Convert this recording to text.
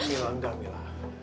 mila tidak mila